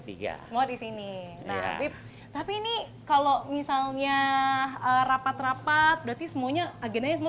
tiga semua disini tapi ini kalau misalnya rapat rapat berarti semuanya agennya semua